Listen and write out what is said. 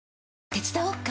手伝おっか？